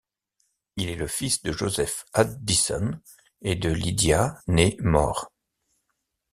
Il est le fils de Joseph Addison et de Lydia née More.